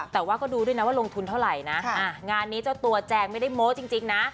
แต่ว่าก็ดูด้วยนะว่าลงทุนเท่าไหร่นะงานนี้เจ้าตัวแจงไม่ได้โม้จริงนะ